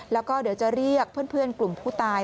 แล้วก็เดี๋ยวจะเรียกเพื่อนกลุ่มผู้ตาย